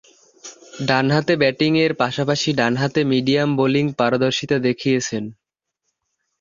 ডানহাতে ব্যাটিংয়ের পাশাপাশি ডানহাতে মিডিয়াম বোলিংয়ে পারদর্শীতা দেখিয়েছেন।